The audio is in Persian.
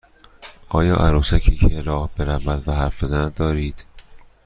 آیا عروسکی که راه برود و حرف بزند دارید؟